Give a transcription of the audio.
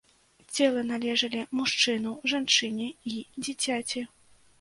Целы належалі мужчыну, жанчыне і дзіцяці.